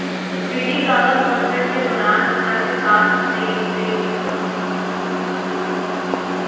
lady Gaga concert کے دوران مداح کے ساتھ اسٹیج سے گر پڑیں